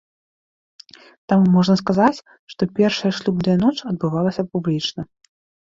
Таму можна сказаць, што першая шлюбная ноч адбывалася публічна.